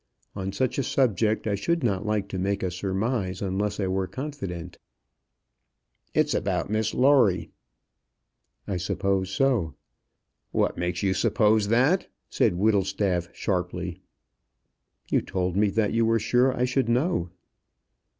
On such a subject I should not like to make a surmise unless I were confident." "It's about Miss Lawrie." "I suppose so." "What makes you suppose that?" said Whittlestaff, sharply. "You told me that you were sure I should know."